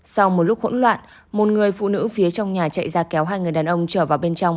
sau một lúc hỗn loạn một người phụ nữ phía trong nhà chạy ra kéo hai người đàn ông trở vào bên trong